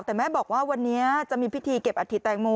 แต่แม่บอกว่าวันนี้จะมีพิธีเก็บอัฐิแตงโม